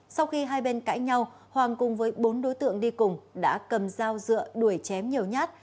sau khi hai bên cãi nhau hoàng cùng với bốn đối tượng đi cùng đã cầm dao dựa đuổi chém nhiều nhát